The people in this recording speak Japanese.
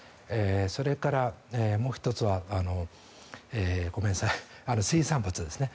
それからもう１つは水産物ですね。